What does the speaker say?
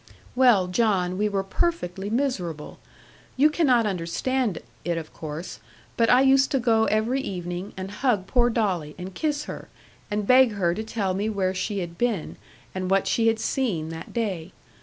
'Well, John, we were perfectly miserable. You cannot understand it, of course; but I used to go every evening, and hug poor Dolly, and kiss her, and beg her to tell me where she had been, and what she had seen, that day.